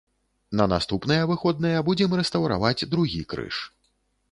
На наступныя выходныя будзем рэстаўраваць другі крыж.